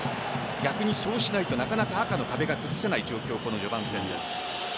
逆にそうしないとなかなか赤の壁が崩せない状況